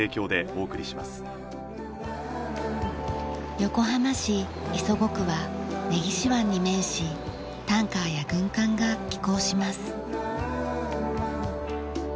横浜市磯子区は根岸湾に面しタンカーや軍艦が寄港します。